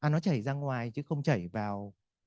nó chảy ra ngoài chứ không chảy vào